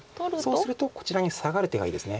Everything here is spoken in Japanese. そうするとこちらにサガる手がいいですね。